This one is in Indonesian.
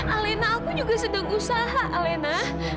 alena aku juga sedang berusaha alena